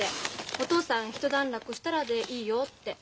お父さん「一段落したらでいいよ」って。